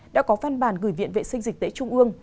đã có văn bản gửi viện vệ sinh dịch tế trung ương